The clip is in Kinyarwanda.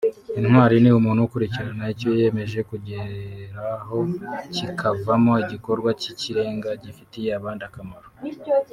Intwari ni umuntu ukurikirana icyo yiyemeje kugeraho kikavamo igikorwa cy’ikirenga gifitiye abandi akamaro